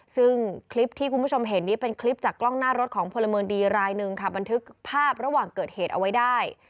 ซึ่งคลิปที่คุณผู้ชมเห็นนี้เป็นคลิปจากกล้องหน้ารถของพลเมืองดีรายหนึ่งค่ะบันทึกภาพระหว่างเกิดเหตุเอาไว้ได้